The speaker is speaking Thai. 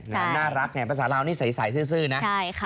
น่ารักไงภาษาลาวนี่ใสซื่อนะ